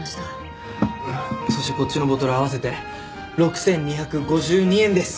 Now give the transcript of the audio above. そしてこっちのボトル合わせて６２５２円です。